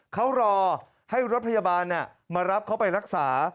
เขารอให้รถพยาบาลมารับเขาไปรักษา